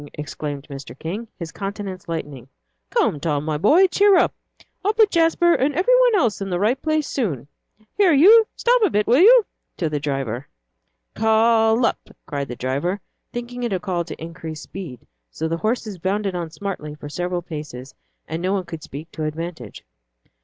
exclaimed Mr. King, his countenance lightening. "Come, Tom, my boy, cheer up. I'll put Jasper and every one else in the right place soon. Here you, stop a bit, will you?" to the driver. "K lup!" cried the driver, thinking it a call to increase speed; so the horses bounded on smartly for several paces, and no one could speak to advantage.